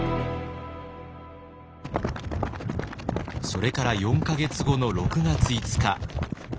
それから４か月後の６月５日。